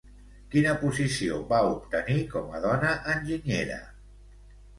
Quina posició va obtenir com a dona enginyera?